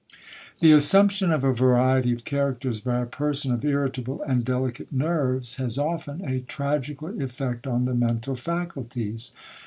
The assumption of a variety of characters by a person of irritable and delicate nerves, has often a tragical effect on the mental faculties.